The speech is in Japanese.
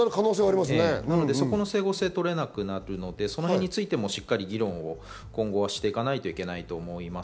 そこの整合性が取れなくなるので、そのへんについてもしっかり議論を今後はしていかないといけないと思います。